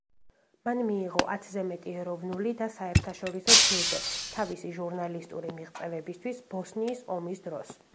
მან მიიღო ათზე მეტი ეროვნული და საერთაშორისო ჯილდო თავისი ჟურნალისტური მიღწევებისთვის, ბოსნიის ომის დროს.